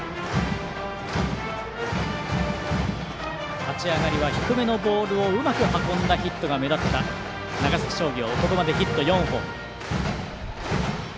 立ち上がりは低めのボールをうまく運んだヒットが目立った、長崎商業。